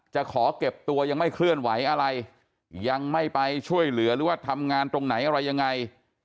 จะขอเก็บตัวยังไม่เคลื่อนไหวอะไรยังไม่ไปช่วยเหลือหรือว่าทำงานตรงไหนอะไรยังไง